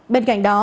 bên cạnh đó